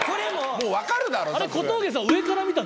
もう分かるだろ！